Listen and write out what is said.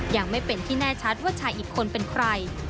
ยังไม่เป็นที่แน่ชัดว่าชายอีกคนเป็นใคร